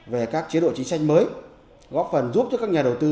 về các chế độ chính sách mới góp phần giúp cho các nhà đầu tư